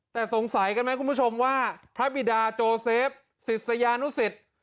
แต่สงสัยกันไหมคุณผู้ชมว่าพระบิดาโจเซฟศิษยานุสิต